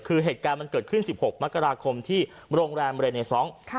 คือเหตุการณ์มันเกิดขึ้น๑๖มกราคมที่โรงแรมเรเนซอง